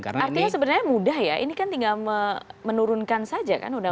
artinya sebenarnya mudah ya ini kan tinggal menurunkan saja kan undang undang